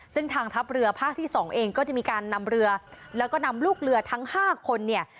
ซึ่งทางทัพเรือภาคที่สองเองก็จะมีการนำเรือแล้วก็นำลูกเรือทั้ง๕คนเนี่ย